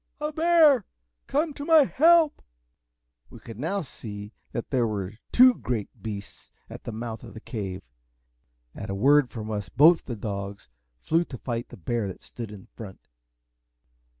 A bear! come to my help!" We could now see that there were two great beasts at the mouth of the cave. At a word from us both the dogs, flew to fight the bear that stood in front.